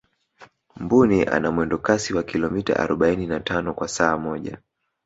mbuni ana mwendo kasi wa kilomita arobaini na tano kwa saa moja